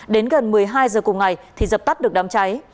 đến gần một mươi hai giờ cùng ngày thì dập tắt được đám cháy